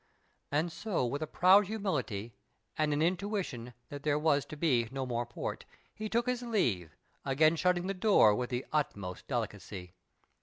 And so with a proud himiility (and an intuition that there was to be no more port) he took his leave, again shutting the door with the utmost delicacy.